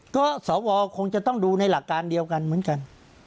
ก็สวคงจะต้องดูในหลักการเดียวกันเหมือนกัน